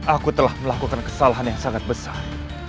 aku telah melakukan kesalahan yang sangat besar